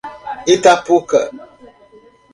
Itapuca